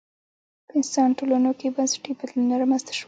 په انسان ټولنو کې بنسټي بدلونونه رامنځته شول